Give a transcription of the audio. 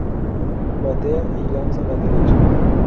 Batea y lanza a la derecha.